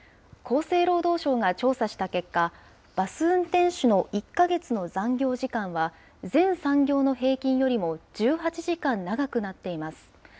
厚生労働省が調査した結果、バス運転手の１か月の残業時間は、全産業の平均よりも１８時間長くなっています。